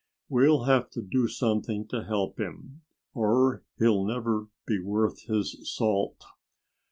"We'll have to do something to help him, or he'll never be worth his salt."